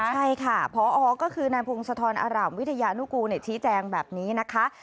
ใช่ค่ะพอก็คือนายพงศธรอร่ามวิทยานุกูลชี้แจงแบบนี้นะคะ